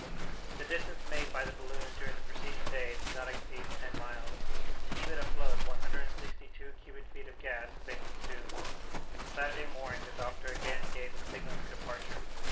The distance made by the balloon during the preceding day did not exceed ten miles, and, to keep it afloat, one hundred and sixty two cubic feet of gas had been consumed. On Saturday morning the doctor again gave the signal for departure.